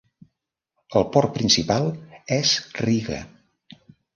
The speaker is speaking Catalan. El port principal és Riga.